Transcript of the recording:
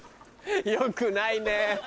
よくないね。